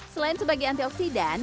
selain sebagai antioksidan